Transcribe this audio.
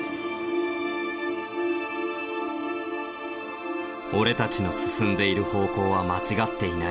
「俺たちの進んでいる方向は間違っていない」。